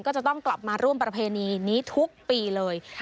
ก็จะต้องกลับมาร่วมประเพณีนี้ทุกปีเลย